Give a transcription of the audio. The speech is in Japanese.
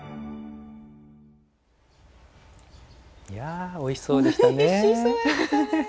いやぁおいしそうでしたね。